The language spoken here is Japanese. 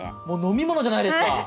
もう飲み物じゃないですか。